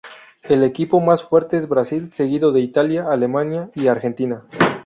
El equipo más fuerte es Brasil, seguido de Italia, Alemania y Argentina.